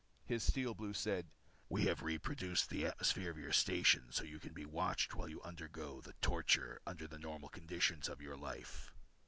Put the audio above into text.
His Steel Blue said: "We have reproduced the atmosphere of your station so that you be watched while you undergo the torture under the normal conditions of your life."